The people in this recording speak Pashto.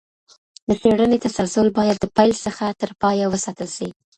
د څېړني تسلسل باید د پیل څخه تر پایه وساتل سي.